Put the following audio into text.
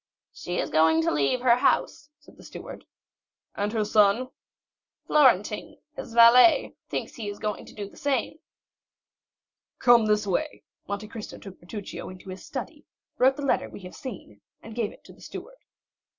"She is going to leave her house," said the steward. "And her son?" "Florentin, his valet, thinks he is going to do the same." "Come this way." Monte Cristo took Bertuccio into his study, wrote the letter we have seen, and gave it to the steward.